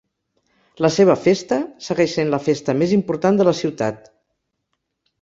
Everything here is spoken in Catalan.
La seva festa segueix sent la festa més important de la ciutat.